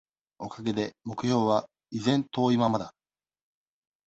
おかげで、目標は、依然遠いままだ。